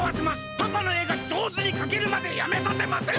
パパの絵がじょうずにかけるまでやめさせません！